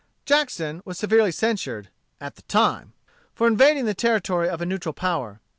Jackson was severely censured, at the time, for invading the territory of a neutral power.